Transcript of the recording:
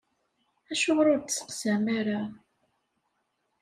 Acuɣer ur d-testeqsam ara?